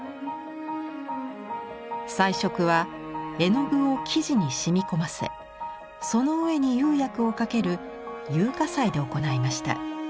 彩色は絵の具を生地に染み込ませその上に釉薬をかける釉下彩で行いました。